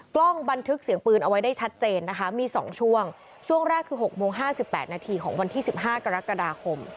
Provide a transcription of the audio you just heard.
กล้องบันทึกเสียงปืนเอาไว้ได้ชัดเจนนะคะมี๒ช่วงช่วงแรกคือ๖โมง๕๘นาทีของวันที่๑๕กรกฎาคม